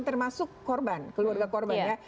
termasuk korban keluarga korban ya